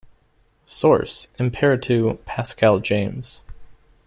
Source: Imperato, Pascal James.